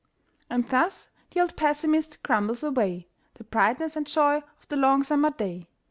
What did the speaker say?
And thus the old pessimist grumbles away The brightness and joy of the long summer day.